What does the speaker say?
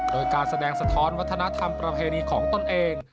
โดยการแสดงสะท้อนวัฒนธรรมประเพณีของตนเอง